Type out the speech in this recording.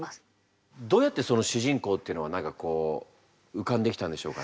どうやってその主人公っていうのは何かこう浮かんできたんでしょうかね。